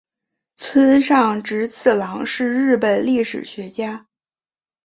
村上直次郎是日本历史学家。